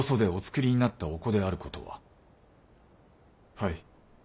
はい。